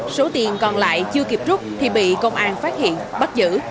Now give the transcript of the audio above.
số tiền còn lại chưa kịp rút thì bị công an phát hiện bắt giữ